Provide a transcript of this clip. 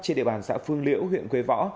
trên địa bàn xã phương liễu huyện quế võ